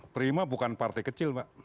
prima bukan partai kecil